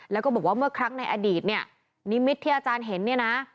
แล้วก็บอกว่าเมื่อครั้งในอดีตเนี่ยนิมิตที่อาจารย์เห็นเนี่ยนะ